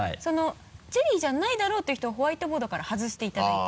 チェリーじゃないだろうっていう人をホワイトボードから外していただいて。